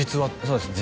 そうです